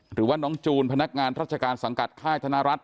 หรือว่าน้องจูนพนักงานราชการสังกัดค่ายธนรัฐ